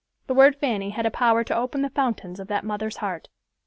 The word Fanny had a power to open the fountains of that mother's heart.